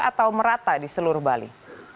atau merata di seluruh bali